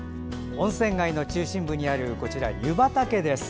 温泉街の中心部にある湯畑です。